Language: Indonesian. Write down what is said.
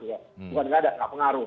bukan enggak ada enggak pengaruh